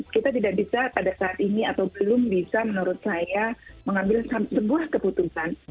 kita tidak bisa pada saat ini atau belum bisa menurut saya mengambil sebuah keputusan